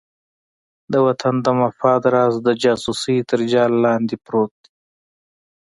د وطن د مفاد راز د جاسوسۍ تر جال لاندې پروت دی.